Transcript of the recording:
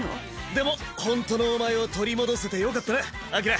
でもほんとのお前を取り戻せてよかったなアキラ。